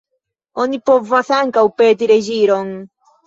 Oni povas ankaŭ peti reĝiron.